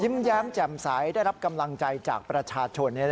แย้มแจ่มใสได้รับกำลังใจจากประชาชน